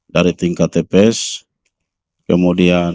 dari tingkatnya ini sudah dilakukan secara berjenjang